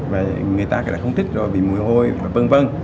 và người ta cũng đã không thích rồi vì mùi hôi và v v